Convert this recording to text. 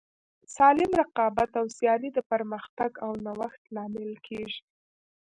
سالم رقابت او سیالي د پرمختګ او نوښت لامل کیږي.